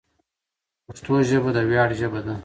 پښتو ژبه د ویاړ ژبه ده.